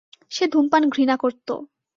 সে ধূমপান ঘৃণা করতো।